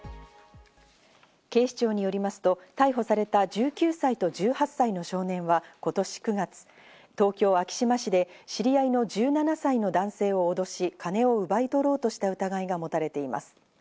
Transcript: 警視庁によりますと逮捕された１９歳と１８歳の少年は、今年９月、東京・昭島市で知り合いの１７歳の男性をおどし、金を奪い取ろうとした疑いが持たれています。